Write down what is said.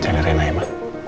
ini tanpa naiknya ava